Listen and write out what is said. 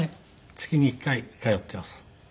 月に１回通っています。